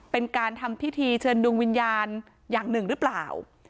เป็นการทำพิธีเชิญดวงวิญญาณอย่างหนึ่งหรือเปล่า